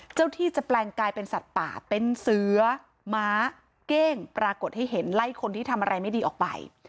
เจ้าที่จะแปลงกายเป็นสัตว์ป่าเป็นเสือม้าเก้งปรากฏให้เห็นไล่คนที่ทำอะไรไม่ดีออกไป